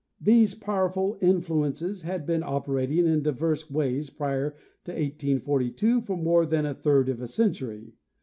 These powerful influ ences had been operating in divers ways prior to 1842 for more than a third of a century.